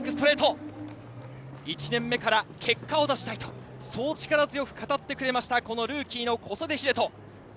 まずはバックストレート、１年目から結果を出したい、そう力強く語ってくれました、ルーキーの小袖英人。